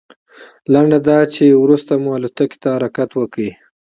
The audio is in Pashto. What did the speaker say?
لنډه دا چې وروسته مو الوتکې ته حرکت وکړ.